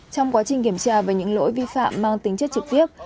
trong quá trình kiểm tra về những lỗi vi phạm mang tính chất trực tiếp